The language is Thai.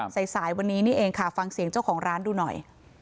สายสายวันนี้นี่เองค่ะฟังเสียงเจ้าของร้านดูหน่อย